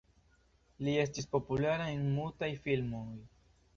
Li estis populara en mutaj filmoj.